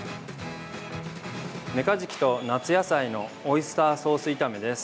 メカジキと夏野菜のオイスターソース炒めです。